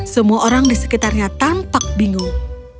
semua orang di sekitarnya tampak bingung